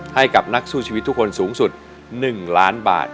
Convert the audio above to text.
ให้กับนักสู้ชีวิตทุกคนสูงสุด๑ล้านบาท